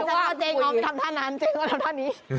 ไม่ว่าเจ๊ง้อทำท่านั้นเจ๊ง้อทำท่านี้